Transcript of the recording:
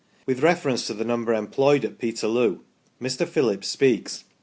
With reference to the number employed at Peterloo Mr. Phillips speaks (p.